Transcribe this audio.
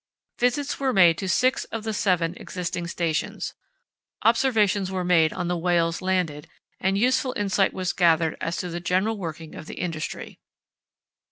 Visits were made to six of the seven existing stations, observations were made on the whales landed, and useful insight was gathered as to the general working of the industry.